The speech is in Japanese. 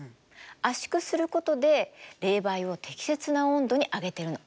圧縮することで冷媒を適切な温度に上げてるの。